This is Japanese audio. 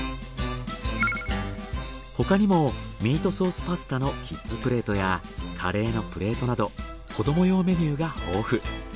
他にもミートソースパスタのキッズプレートやカレーのプレートなど子ども用メニューが豊富。